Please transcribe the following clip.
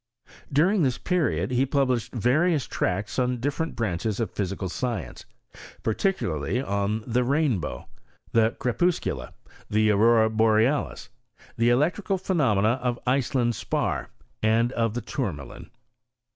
During this period he published various tracts on different branches of physical science, particularly on the raiabow, the crepuscula, the aurora boreal is, the electrical phenomena of Iceland spar, and of the tourmalin.